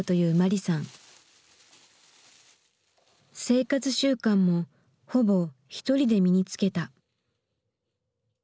生活習慣もほぼひとりで身につけた。